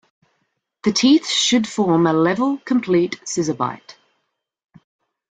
The teeth should form a level, complete scissor bite.